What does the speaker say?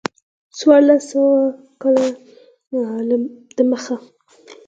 څوارلس سوه کاله د مخه.